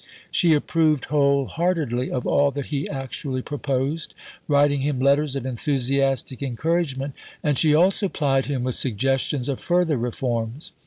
She approved whole heartedly of all that he actually proposed, writing him letters of enthusiastic encouragement, and she also plied him with suggestions of further reforms.